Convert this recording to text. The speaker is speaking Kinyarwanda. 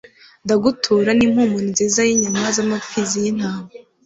ndagutura n'impumuro nziza y'inyama z'amapfizi y'intama